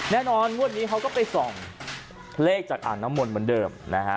งวดนี้เขาก็ไปส่องเลขจากอ่างน้ำมนต์เหมือนเดิมนะฮะ